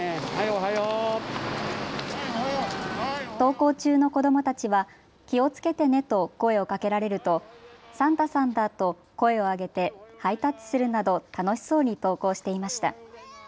登校中の子どもたちは気をつけてねと声をかけられるとサンタさんだと声を上げてハイタッチするなど楽しそうに登校していました。